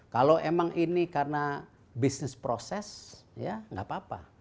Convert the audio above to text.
kalau emang ini karena bisnis proses ya nggak apa apa